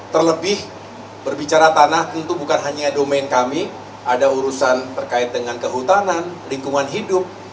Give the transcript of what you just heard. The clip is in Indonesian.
terlebih berbicara tanah tentu bukan hanya domain kami ada urusan terkait dengan kehutanan lingkungan hidup